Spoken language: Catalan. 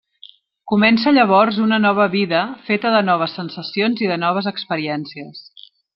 Comença llavors una nova vida, feta de noves sensacions i de noves experiències.